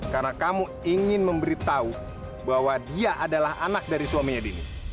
karena kamu ingin memberitahu bahwa dia adalah anak dari suaminya dini